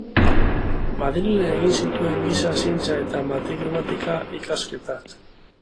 Madrilen egin zituen giza zientzia eta matematika-ikasketak.